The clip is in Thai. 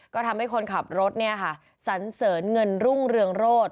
ก็ทำให้คนขับรถเนี่ยค่ะสันเสริญเงินรุ่งเรืองโรธ